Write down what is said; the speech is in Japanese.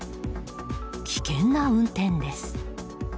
危険な運転です。